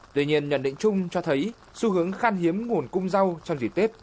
tuy nhiên nhận định chung cho thấy xu hướng khăn hiếm nguồn cung rau trong dịp tết là hiến hữu